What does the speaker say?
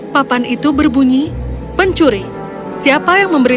papan itu berbunyi pencuri